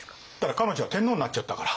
彼女は天皇になっちゃったから。